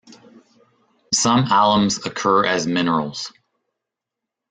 Some alums occur as minerals.